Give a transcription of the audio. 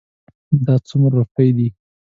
دا څومره روپی دي؟